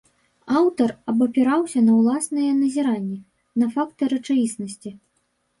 Аўтар абапіраўся на ўласныя назіранні, на факты рэчаіснасці.